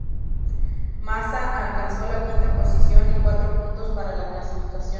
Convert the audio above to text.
Massa alcanzó la quinta posición y cuatro puntos para la clasificación.